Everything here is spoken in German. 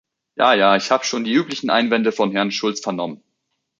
Ja, ja, ich habe schon die üblichen Einwände von Herrn Schulz vernommen.